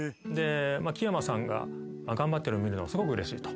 木山さんが頑張ってるの見るのすごくうれしいと。